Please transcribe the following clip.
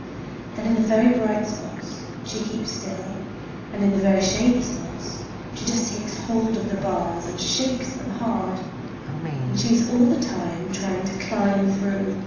Then in the very bright spots she keeps still, and in the very shady spots she just takes hold of the bars and shakes them hard. And she is all the time trying to climb through.